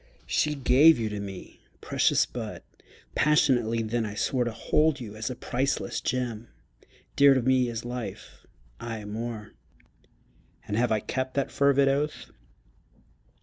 She gave you to me. Precious bud! Passionately then I swore To hold you as a priceless gem, Dear to me as life aye more! And have I kept that fervid oath?